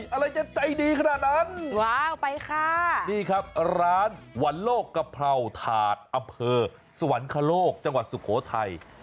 อะไรจะใจดีขนาดนั้นว้าวไปค่ะนี่ครับร้านวันโลกกะเพราถาดอำเภอสวรรคโลกจังหวัดสุโขทัย